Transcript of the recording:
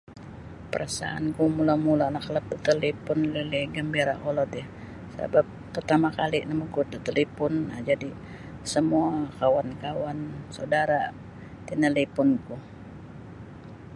Parasaan ku mula-mula nakalap da talipun elili gambira kolod um sabab partama kali namaguut da talipun jadi samua kawan-kawan saudara tinalipun ku.